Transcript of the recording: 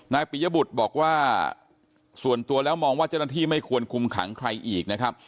ปิยบุตรบอกว่าส่วนตัวแล้วมองว่าเจ้าหน้าที่ไม่ควรคุมขังใครอีกนะครับ